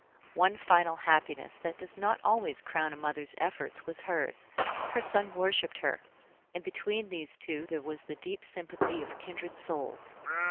One final happiness that does not always crown a mother's efforts was hers her son worshiped her; and between these two there was the deep sympathy of kindred souls.